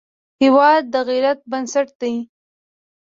هېواد د غیرت بنسټ دی.